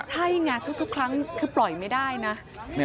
ใช่ไงทุกครั้งคือปล่อยไม่ได้นะ